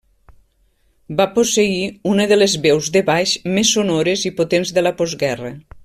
Va posseir una de les veus de baix més sonores i potents de la postguerra.